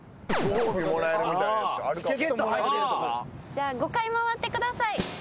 じゃあ５回回ってください。